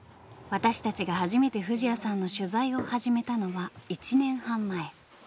私たちが初めて藤彌さんの取材を始めたのは１年半前。